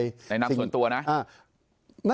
ในนามส่วนตัวนะ